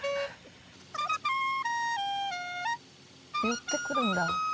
寄ってくるんだ。